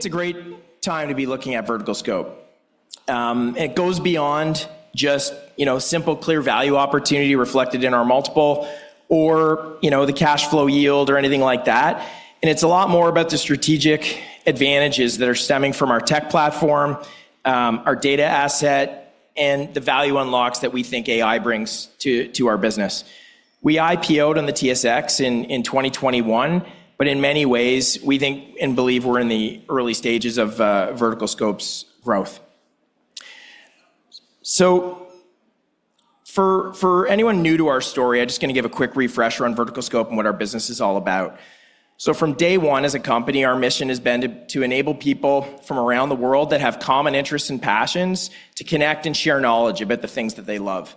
It's a great time to be looking at VerticalScope, and it goes beyond just, you know, simple, clear value opportunity reflected in our multiple or, you know, the cash flow yield or anything like that. It's a lot more about the strategic advantages that are stemming from our tech platform, our data asset, and the value unlocks that we think AI brings to our business. We IPO'd on the TSX in 2021, but in many ways, we think and believe we're in the early stages of VerticalScope's growth. For anyone new to our story, I'm just going to give a quick refresher on VerticalScope and what our business is all about. From day one as a company, our mission has been to enable people from around the world that have common interests and passions to connect and share knowledge about the things that they love.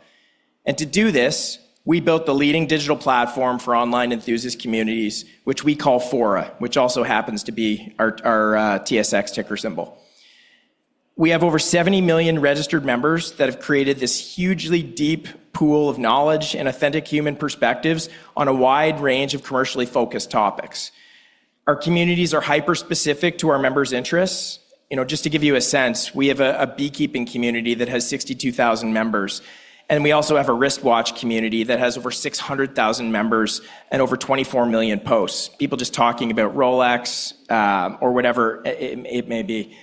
To do this, we built the leading digital platform for online enthusiast communities, which we call Fora, which also happens to be our TSX ticker symbol. We have over 70 million registered members that have created this hugely deep pool of knowledge and authentic human perspectives on a wide range of commercially focused topics. Our communities are hyper-specific to our members' interests. You know, just to give you a sense, we have a beekeeping community that has 62,000 members, and we also have a wristwatch community that has over 600,000 members and over 24 million posts. People just talking about Rolex, or whatever it may be.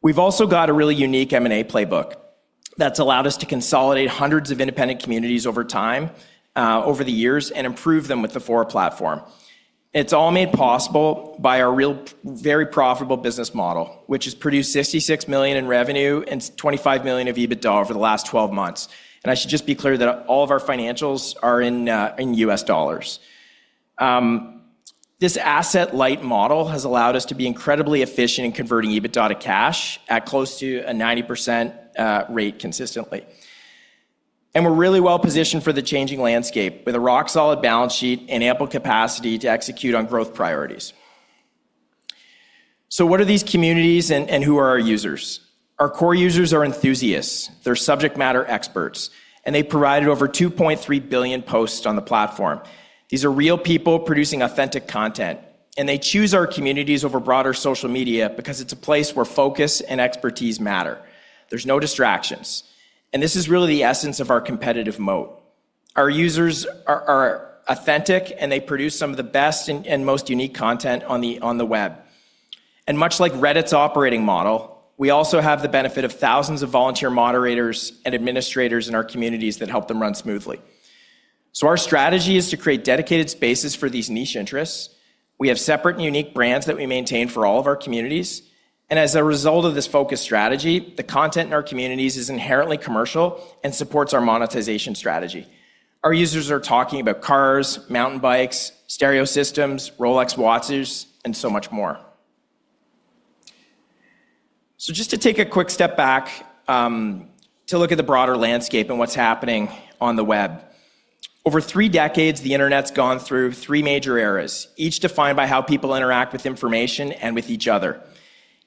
We've also got a really unique M&A playbook that's allowed us to consolidate hundreds of independent communities over time, over the years and improve them with the Fora platform. It's all made possible by our real, very profitable business model, which has produced $66 million in revenue and $25 million of EBITDA over the last 12 months. I should just be clear that all of our financials are in U.S. dollars. This asset-light model has allowed us to be incredibly efficient in converting EBITDA to cash at close to a 90% rate consistently. We're really well positioned for the changing landscape with a rock-solid balance sheet and ample capacity to execute on growth priorities. What are these communities and who are our users? Our core users are enthusiasts. They're subject matter experts, and they provided over 2.3 billion posts on the platform. These are real people producing authentic content, and they choose our communities over broader social media because it's a place where focus and expertise matter. There's no distractions. This is really the essence of our competitive moat. Our users are authentic, and they produce some of the best and most unique content on the web. Much like Reddit's operating model, we also have the benefit of thousands of volunteer moderators and administrators in our communities that help them run smoothly. Our strategy is to create dedicated spaces for these niche interests. We have separate and unique brands that we maintain for all of our communities. As a result of this focused strategy, the content in our communities is inherently commercial and supports our monetization strategy. Our users are talking about cars, mountain bikes, stereo systems, Rolex watches, and so much more. Just to take a quick step back, to look at the broader landscape and what's happening on the web. Over three decades, the internet's gone through three major eras, each defined by how people interact with information and with each other.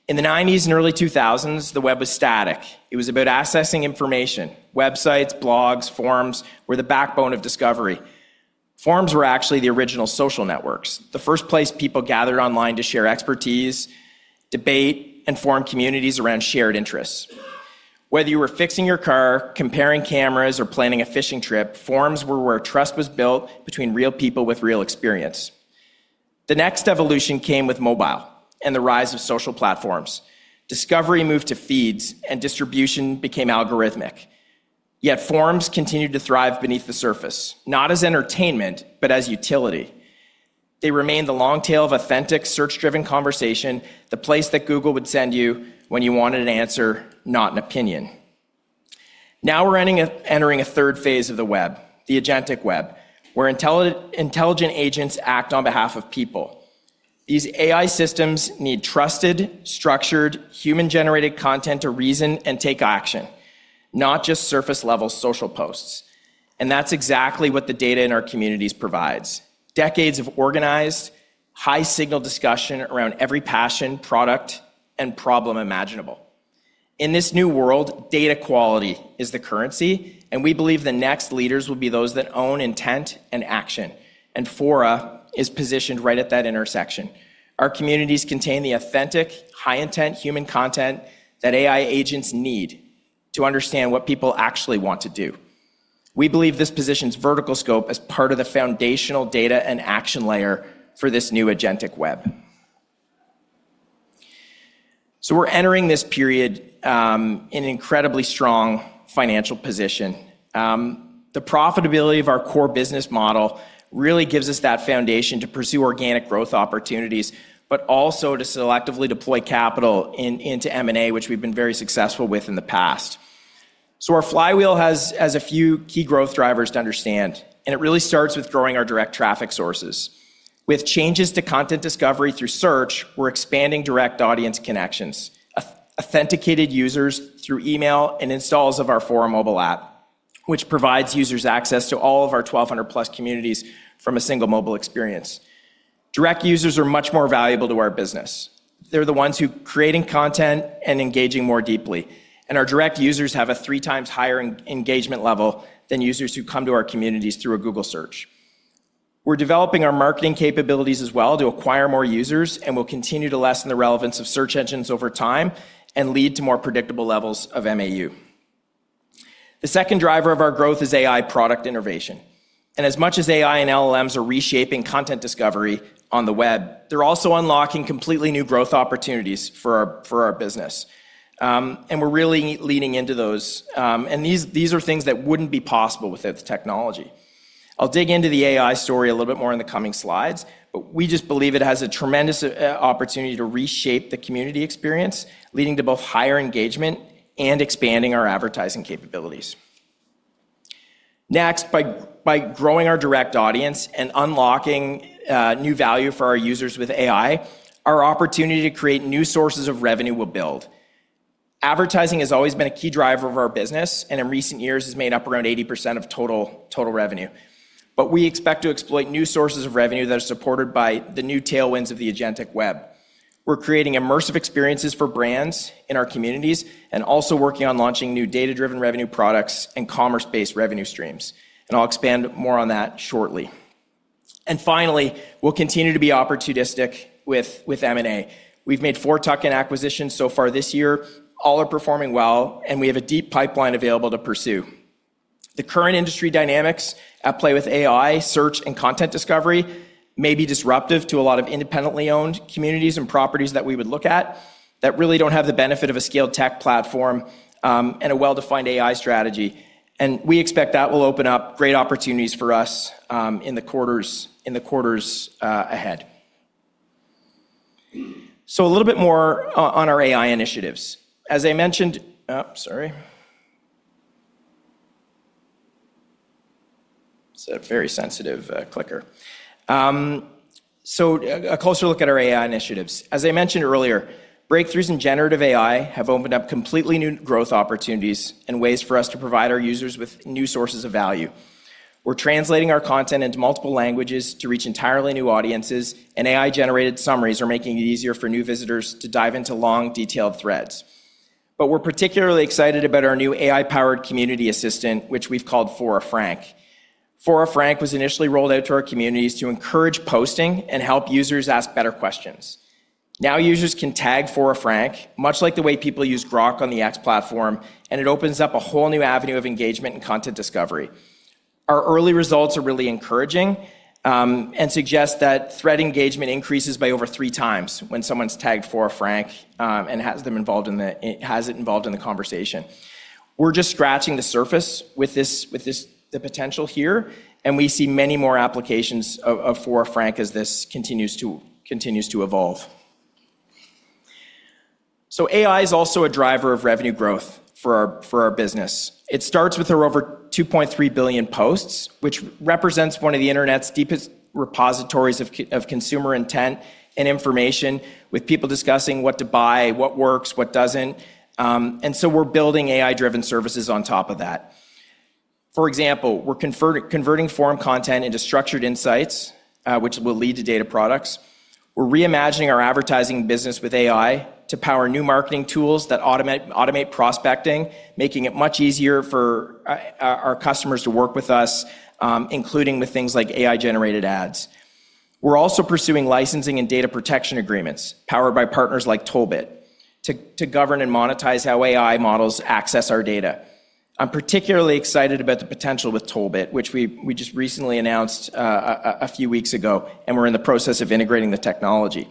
In the 1990s and early 2000s, the web was static. It was about accessing information. Websites, blogs, forums were the backbone of discovery. Forums were actually the original social networks, the first place people gathered online to share expertise, debate, and form communities around shared interests. Whether you were fixing your car, comparing cameras, or planning a fishing trip, forums were where trust was built between real people with real experience. The next evolution came with mobile and the rise of social platforms. Discovery moved to feeds, and distribution became algorithmic. Yet forums continued to thrive beneath the surface, not as entertainment, but as utility. They remained the long tail of authentic, search-driven conversation, the place that Google would send you when you wanted an answer, not an opinion. Now we're entering a third phase of the web, the Agentic web, where intelligent agents act on behalf of people. These AI systems need trusted, structured, human-generated content to reason and take action, not just surface-level social posts. That's exactly what the data in our communities provides. Decades of organized, high-signal discussion around every passion, product, and problem imaginable. In this new world, data quality is the currency, and we believe the next leaders will be those that own intent and action. Fora is positioned right at that intersection. Our communities contain the authentic, high-intent human content that AI agents need to understand what people actually want to do. We believe this positions VerticalScope as part of the foundational data and action layer for this new agentic web. We're entering this period in an incredibly strong financial position. The profitability of our core business model really gives us that foundation to pursue organic growth opportunities, but also to selectively deploy capital into M&A, which we've been very successful with in the past. Our flywheel has a few key growth drivers to understand, and it really starts with growing our direct traffic sources. With changes to content discovery through search, we're expanding direct audience connections, authenticated users through email, and installs of our Fora mobile app, which provides users access to all of our 1,200 plus communities from a single mobile experience. Direct users are much more valuable to our business. They're the ones who are creating content and engaging more deeply. Our direct users have a three times higher engagement level than users who come to our communities through a Google search. We're developing our marketing capabilities as well to acquire more users, and we'll continue to lessen the relevance of search engines over time and lead to more predictable levels of MAU. The second driver of our growth is AI product innovation. As much as AI and LLMs are reshaping content discovery on the web, they're also unlocking completely new growth opportunities for our business. We're really leaning into those, and these are things that wouldn't be possible without the technology. I'll dig into the AI story a little bit more in the coming slides, but we just believe it has a tremendous opportunity to reshape the community experience, leading to both higher engagement and expanding our advertising capabilities. Next, by growing our direct audience and unlocking new value for our users with AI, our opportunity to create new sources of revenue will build. Advertising has always been a key driver of our business, and in recent years, it's made up around 80% of total revenue. We expect to exploit new sources of revenue that are supported by the new tailwinds of the agentic web. We're creating immersive experiences for brands in our communities and also working on launching new data-driven revenue products and commerce-based revenue streams. I'll expand more on that shortly. Finally, we'll continue to be opportunistic with M&A. We've made four tuck-in acquisitions so far this year. All are performing well, and we have a deep pipeline available to pursue. The current industry dynamics at play with AI, search, and content discovery may be disruptive to a lot of independently owned communities and properties that we would look at that really don't have the benefit of a scaled tech platform and a well-defined AI strategy. We expect that will open up great opportunities for us in the quarters ahead. A little bit more on our AI initiatives. As I mentioned earlier, breakthroughs in generative AI have opened up completely new growth opportunities and ways for us to provide our users with new sources of value. We're translating our content into multiple languages to reach entirely new audiences, and AI-generated summaries are making it easier for new visitors to dive into long, detailed threads. We're particularly excited about our new AI-powered community assistant, which we've called Fora Frank. Fora Frank was initially rolled out to our communities to encourage posting and help users ask better questions. Now users can tag Fora Frank, much like the way people use Grok on the X platform, and it opens up a whole new avenue of engagement and content discovery. Our early results are really encouraging and suggest that thread engagement increases by over 3x when someone's tagged Fora Frank and has it involved in the conversation. We're just scratching the surface with the potential here, and we see many more applications of Fora Frank as this continues to evolve. AI is also a driver of revenue growth for our business. It starts with over 2.3 billion posts, which represents one of the internet's deepest repositories of consumer intent and information, with people discussing what to buy, what works, what doesn't. We're building AI-driven services on top of that. For example, we're converting forum content into structured insights, which will lead to data products. We're reimagining our advertising business with AI to power new marketing tools that automate prospecting, making it much easier for our customers to work with us, including with things like AI-generated ads. We're also pursuing licensing and data protection agreements powered by partners like Tollbit to govern and monetize how AI models access our data. I'm particularly excited about the potential with Tollbit, which we just recently announced a few weeks ago, and we're in the process of integrating the technology.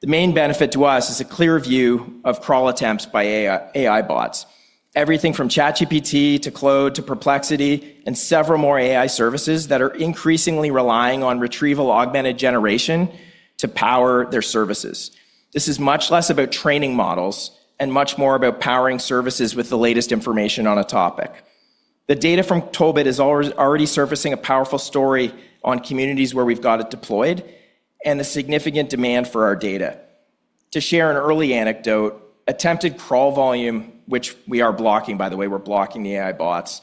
The main benefit to us is a clear view of crawl attempts by AI bots. Everything from ChatGPT to Claude to Perplexity and several more AI services that are increasingly relying on retrieval augmented generation to power their services. This is much less about training models and much more about powering services with the latest information on a topic. The data from Tollbit is already surfacing a powerful story on communities where we've got it deployed and the significant demand for our data. To share an early anecdote, attempted crawl volume, which we are blocking, by the way, we're blocking the AI bots,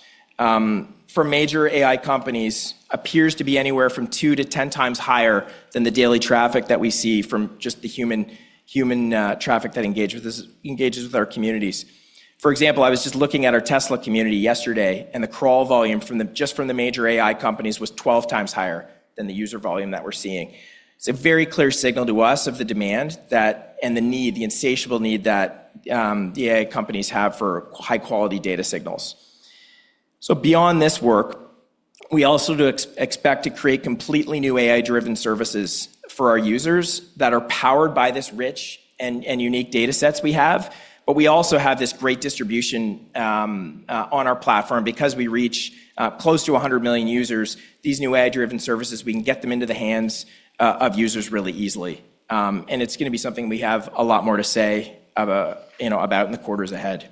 for major AI companies appears to be anywhere from 2x-10x higher than the daily traffic that we see from just the human traffic that engages with our communities. For example, I was just looking at our Tesla community yesterday, and the crawl volume just from the major AI companies was 12x higher than the user volume that we're seeing. It's a very clear signal to us of the demand and the need, the insatiable need that the AI companies have for high-quality data signals. Beyond this work, we also expect to create completely new AI-driven services for our users that are powered by this rich and unique data sets we have, but we also have this great distribution on our platform because we reach close to 100 million users. These new AI-driven services, we can get them into the hands of users really easily. It's going to be something we have a lot more to say about in the quarters ahead.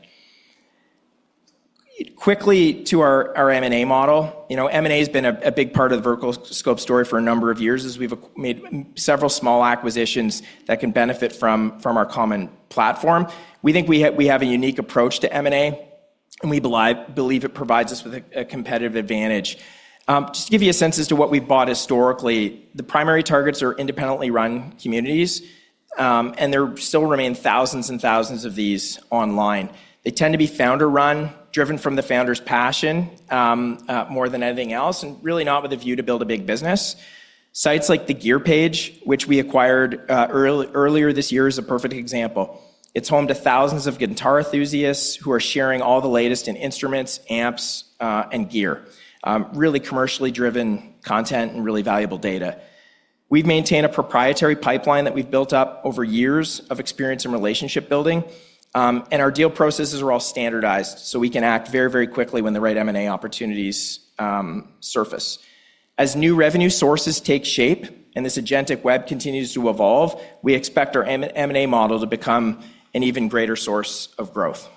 Quickly to our M&A model, you know, M&A has been a big part of the VerticalScope story for a number of years as we've made several small acquisitions that can benefit from our common platform. We think we have a unique approach to M&A, and we believe it provides us with a competitive advantage. Just to give you a sense as to what we've bought historically, the primary targets are independently run communities, and there still remain thousands and thousands of these online. They tend to be founder-run, driven from the founder's passion more than anything else, and really not with a view to build a big business. Sites like The Gear Page, which we acquired earlier this year, is a perfect example. It's home to thousands of guitar enthusiasts who are sharing all the latest in instruments, amps, and gear. Really commercially driven content and really valuable data. We've maintained a proprietary pipeline that we've built up over years of experience and relationship building, and our deal processes are all standardized, so we can act very, very quickly when the right M&A opportunities surface. As new revenue sources take shape and this agentic web continues to evolve, we expect our M&A model to become an even greater source of growth.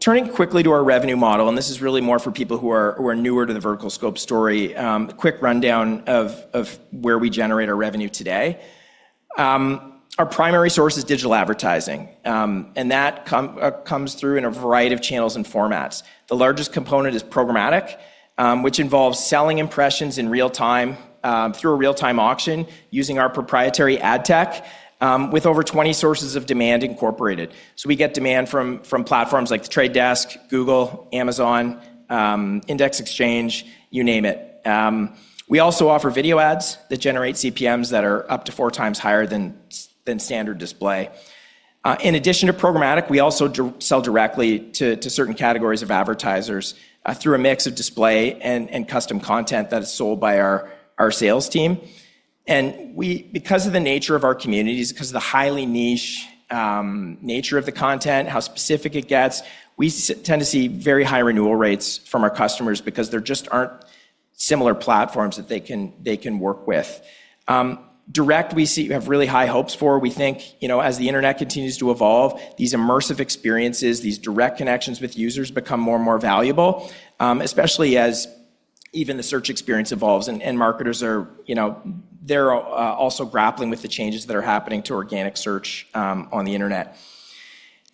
Turning quickly to our revenue model, and this is really more for people who are newer to the VerticalScope story, a quick rundown of where we generate our revenue today. Our primary source is digital advertising, and that comes through in a variety of channels and formats. The largest component is Programmatic, which involves selling impressions in real time through a real-time auction using our proprietary ad tech, with over 20 sources of demand incorporated. We get demand from platforms like The Trade Desk, Google, Amazon, Index Exchange, you name it. We also offer video ads that generate CPMs that are up to four times higher than standard display. In addition to Programmatic, we also sell directly to certain categories of advertisers through a mix of display and custom content that is sold by our sales team. Because of the nature of our communities, because of the highly niche nature of the content, how specific it gets, we tend to see very high renewal rates from our customers because there just aren't similar platforms that they can work with. Direct, we see you have really high hopes for. We think, you know, as the internet continues to evolve, these immersive experiences, these direct connections with users become more and more valuable, especially as even the search experience evolves and marketers are, you know, they're also grappling with the changes that are happening to organic search on the internet.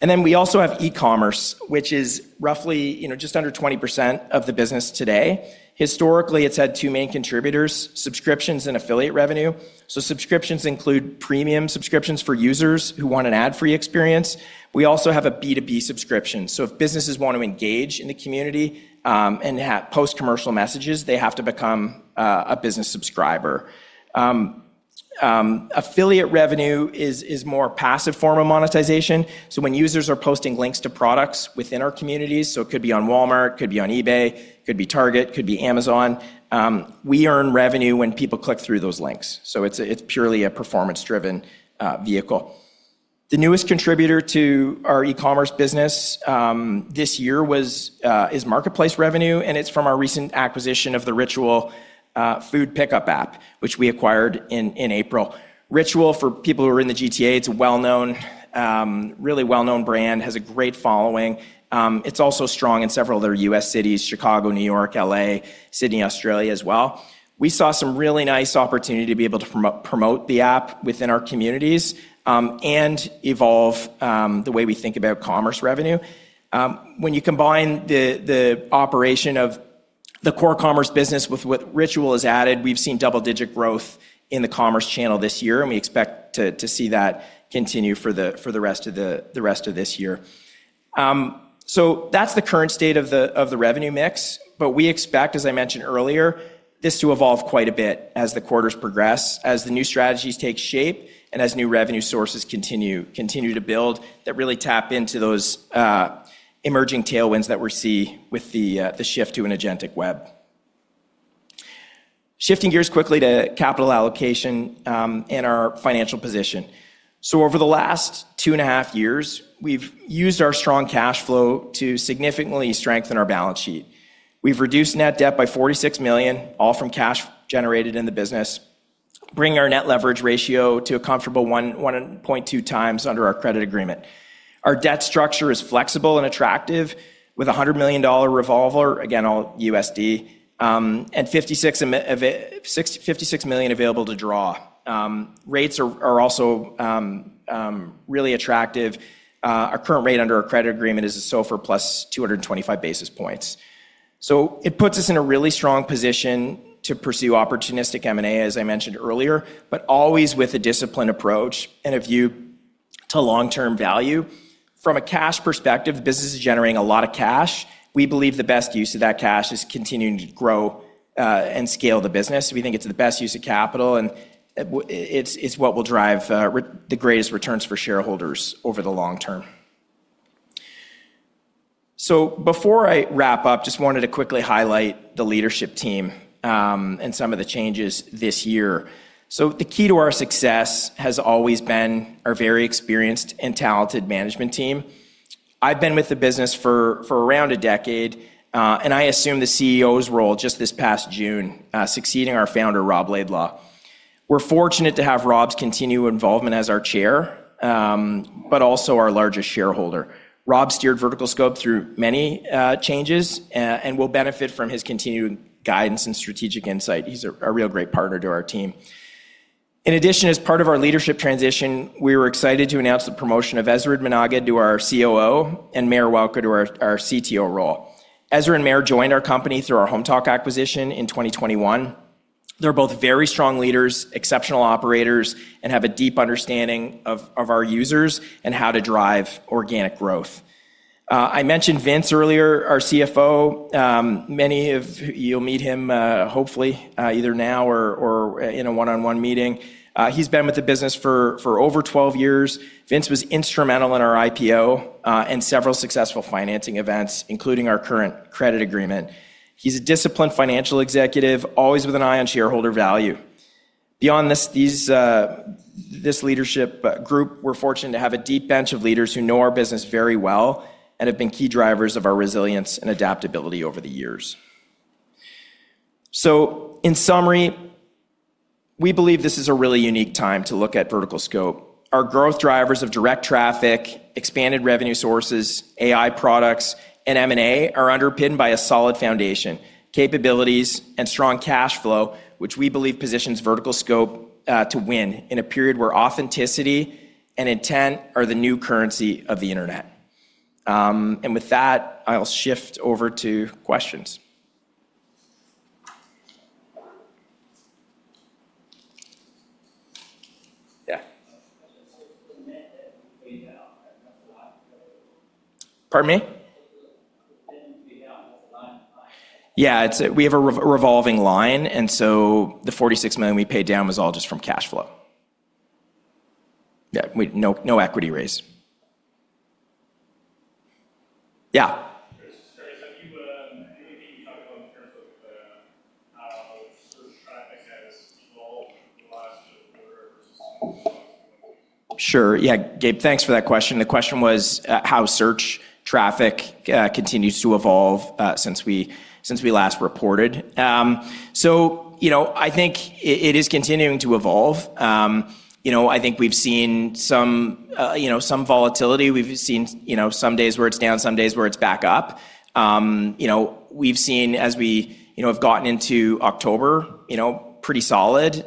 We also have E-commerce, which is roughly, you know, just under 20% of the business today. Historically, it's had two main contributors: subscriptions and affiliate revenue. Subscriptions include premium subscriptions for users who want an ad-free experience. We also have a B2B subscription. If businesses want to engage in the community and post commercial messages, they have to become a business subscriber. Affiliate revenue is more a passive form of monetization. When users are posting links to products within our communities, it could be on Walmart, it could be on eBay, it could be Target, it could be Amazon, we earn revenue when people click through those links. It's purely a performance-driven vehicle. The newest contributor to our e-commerce business this year is Marketplace revenue, and it's from our recent acquisition of the Ritual Technologies’ food pickup app, which we acquired in April. Ritual, for people who are in the GTA, is a really well-known brand, has a great following. It's also strong in several other U.S. cities: Chicago, New York, L.A., Sydney, Australia as well. We saw some really nice opportunity to be able to promote the app within our communities and evolve the way we think about commerce revenue. When you combine the operation of the core commerce business with what Ritual has added, we've seen double-digit growth in the commerce channel this year, and we expect to see that continue for the rest of this year. That's the current state of the revenue mix, but we expect, as I mentioned earlier, this to evolve quite a bit as the quarters progress, as the new strategies take shape, and as new revenue sources continue to build that really tap into those emerging tailwinds that we see with the shift to an agentic web. Shifting gears quickly to capital allocation and our financial position. Over the last two and a half years, we've used our strong cash flow to significantly strengthen our balance sheet. We've reduced net debt by $46 million, all from cash generated in the business, bringing our net leverage ratio to a comfortable 1.2x under our credit agreement. Our debt structure is flexible and attractive, with a $100 million revolver, again all USD, and $56 million available to draw. Rates are also really attractive. Our current rate under our credit agreement is SOFR+ 225 basis points. It puts us in a really strong position to pursue opportunistic M&A, as I mentioned earlier, but always with a disciplined approach and a view to long-term value. From a cash perspective, the business is generating a lot of cash. We believe the best use of that cash is continuing to grow and scale the business. We think it's the best use of capital, and it's what will drive the greatest returns for shareholders over the long term. Before I wrap up, I just wanted to quickly highlight the leadership team and some of the changes this year. The key to our success has always been our very experienced and talented management team. I've been with the business for around a decade, and I assumed the CEO's role just this past June, succeeding our founder, Rob Laidlaw. We're fortunate to have Rob's continued involvement as our Chair, but also our largest shareholder. Rob steered VerticalScope through many changes and we will benefit from his continued guidance and strategic insight. He's a real great partner to our team. In addition, as part of our leadership transition, we were excited to announce the promotion of Ezra Menaged to our COO and Meir Welcher to our CTO role. Ezra and Mayor joined our company through our HomeTalk acquisition in 2021. They're both very strong leaders, exceptional operators, and have a deep understanding of our users and how to drive organic growth. I mentioned Vince earlier, our CFO. Many of you will meet him hopefully either now or in a one-on-one meeting. He's been with the business for over 12 years. Vince was instrumental in our IPO and several successful financing events, including our current credit agreement. He's a disciplined financial executive, always with an eye on shareholder value. Beyond this leadership group, we're fortunate to have a deep bench of leaders who know our business very well and have been key drivers of our resilience and adaptability over the years. In summary, we believe this is a really unique time to look at VerticalScope. Our growth drivers of direct traffic, expanded revenue sources, AI products, and M&A are underpinned by a solid foundation, capabilities, and strong cash flow, which we believe positions VerticalScope to win in a period where authenticity and intent are the new currency of the internet. With that, I'll shift over to questions. Yeah. Pardon me? Yeah, we have a revolving line, and the $46 million we paid down was all just from cash flow. Yeah, no equity raise. Yeah. Sure, yeah, Gabe, thanks for that question. The question was how search traffic continues to evolve since we last reported. I think it is continuing to evolve. I think we've seen some volatility. We've seen some days where it's down, some days where it's back up. We've seen, as we have gotten into October, pretty solid.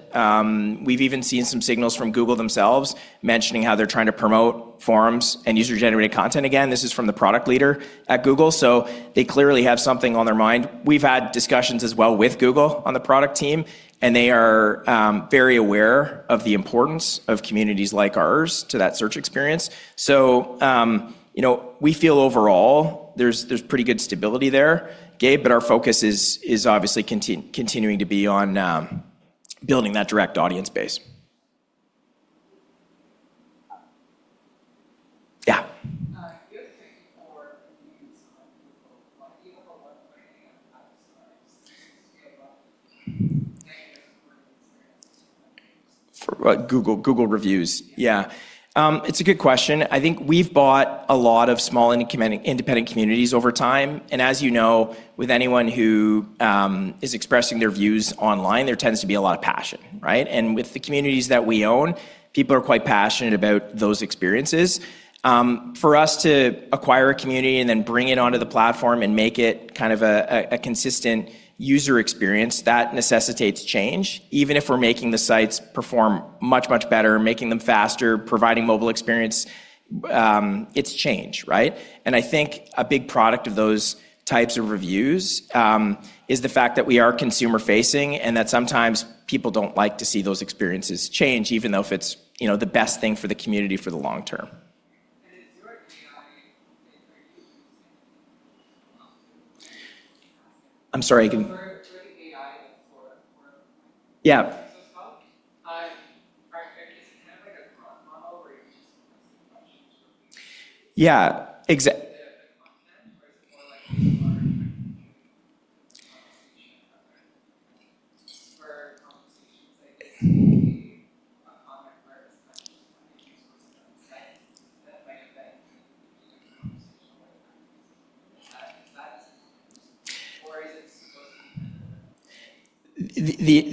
We've even seen some signals from Google themselves mentioning how they're trying to promote forums and user-generated content. This is from the product leader at Google, so they clearly have something on their mind. We've had discussions as well with Google on the product team, and they are very aware of the importance of communities like ours to that search experience. We feel overall there's pretty good stability there, Gabe, but our focus is obviously continuing to be on building that direct audience base. Google, Google reviews. It's a good question. I think we've bought a lot of small independent communities over time, and as you know, with anyone who is expressing their views online, there tends to be a lot of passion, right? With the communities that we own, people are quite passionate about those experiences. For us to acquire a community and then bring it onto the platform and make it kind of a consistent user experience, that necessitates change, even if we're making the sites perform much, much better, making them faster, providing mobile experience. It's change, right? I think a big product of those types of reviews is the fact that we are consumer-facing and that sometimes people don't like to see those experiences change, even though if it's the best thing for the community for the long term. I'm sorry, I can. Yeah.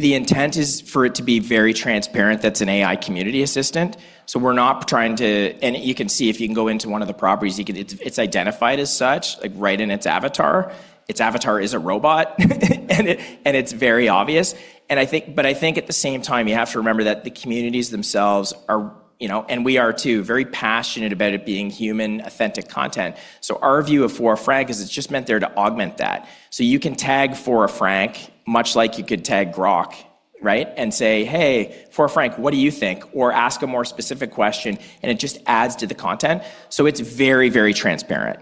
The intent is for it to be very transparent that it's an AI-powered community assistant. We're not trying to, and you can see if you can go into one of the properties, it's identified as such, like right in its avatar. Its avatar is a robot, and it's very obvious. I think at the same time, you have to remember that the communities themselves are, and we are too, very passionate about it being human, authentic content. Our view of Fora Frank is it's just meant there to augment that. You can tag Fora Frank, much like you could tag Grok, right? You can say, "Hey, Fora Frank, what do you think?" or ask a more specific question, and it just adds to the content. It is very, very transparent.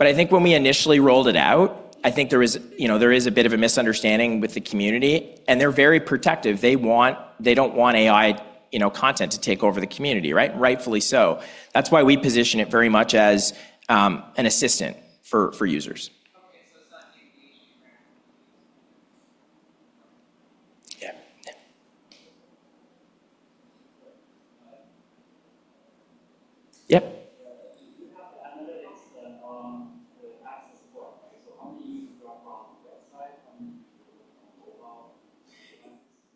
I think when we initially rolled it out, there was a bit of a misunderstanding with the community, and they're very protective. They do not want AI content to take over the community, right? Rightfully so. That is why we position it very much as an assistant for users. Yeah. Do you have another instance on the access flow? How do you use the ground?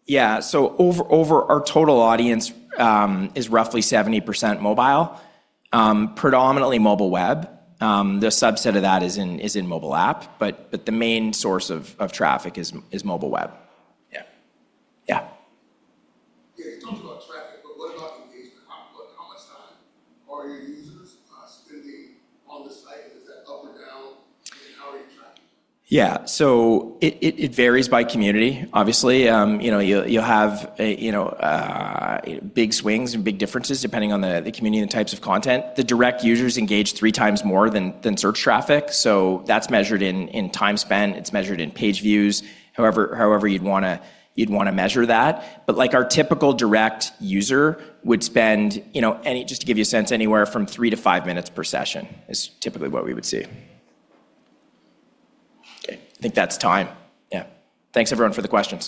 Yeah, our total audience is roughly 70% mobile, predominantly mobile web. The subset of that is in mobile app, but the main source of traffic is mobile web. Yeah. You talked about traffic, but what about engagement? How much time are your users? Yeah, it varies by community, obviously. You'll have big swings and big differences depending on the community and the types of content. The direct users engage 3x more than search traffic. That's measured in time spent. It's measured in page views, however you'd want to measure that. Our typical direct user would spend, just to give you a sense, anywhere from 3-5 minutes per session is typically what we would see. I think that's time. Yeah. Thanks everyone for the questions.